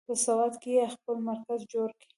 په سوات کې یې خپل مرکز جوړ کړ.